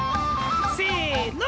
せの！